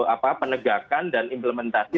apa penegakan dan implementasi